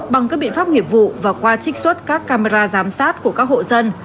bằng các biện pháp nghiệp vụ và qua trích xuất các camera giám sát của các hộ dân